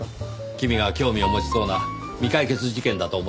君が興味を持ちそうな未解決事件だと思ったのですが。